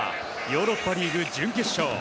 ヨーロッパリーグ準決勝。